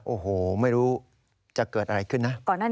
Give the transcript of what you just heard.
โอ้โหไม่รู้จะเกิดอะไรขึ้นนะ